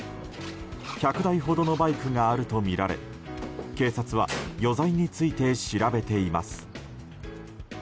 １００台ほどのバイクがあるとみられ警察は余罪について調べています。